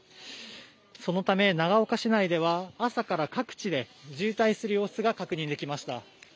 そのため、長岡市内では朝から各地で渋滞する様子が確認できました。